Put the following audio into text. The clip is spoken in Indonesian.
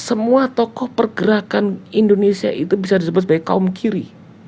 semua tokoh pergerakan indonesia itu bisa disebut sebagai kaum kiri